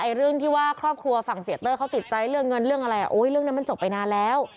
เรื่องที่ว่าครอบครัวฝั่งเสียเต้ยเขาติดใจเรื่องเงินเรื่องอะไรโอ้ยเรื่องนั้นมันจบไปนานแล้ว